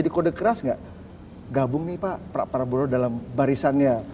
tetapi politik kan tidak kadang tidak seperti itu bacaannya